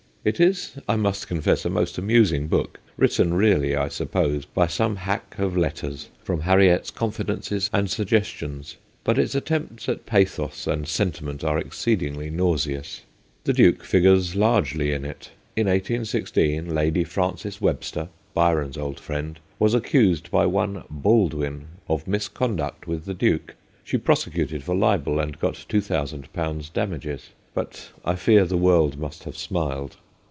It is, I must confess, a most amusing book, written really, I suppose, by some hack of letters from Harriet's confidences and suggestions, but its attempts at pathos and sentiment are exceedingly nauseous. The Duke figures largely in it. In 1816 Lady Frances Webster, Byron's old friend, was accused by one, Baldwin, of misconduct with the Duke ; she prosecuted for libel, and got 2000 damages, but I fear the world must have smiled.